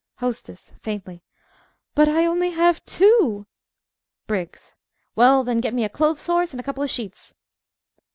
HOSTESS (faintly) But I have only two! BRIGGS Well, then, get me a clothes horse and a couple of sheets.